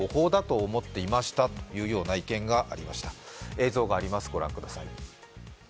映像があります、ご覧ください。